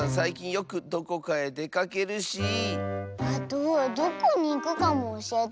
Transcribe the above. あとどこにいくかもおしえてくれないし。